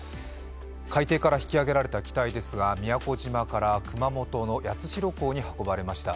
海底から引き揚げられた機体ですが、宮古島から熊本の八代港に運ばれました。